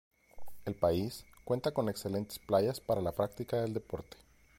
El país cuenta con excelentes playas para la práctica del deporte.